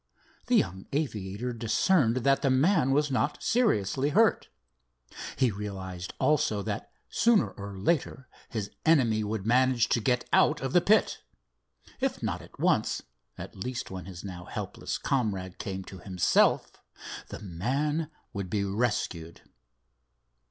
The young aviator discerned that the man was not seriously hurt. He realized also that sooner or later his enemy would manage to get out of the pit. If not at once, at least when his now helpless comrade came to himself, the man would be rescued.